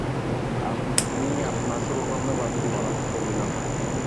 আমি আপনার শুভকর্মে বাধা দিব না, চলিলাম।